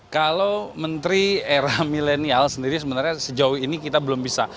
kalau menteri era milenial sendiri sebenarnya sejauh ini kita belum bisa